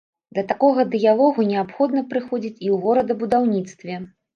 Да такога дыялогу неабходна прыходзіць і ў горадабудаўніцтве.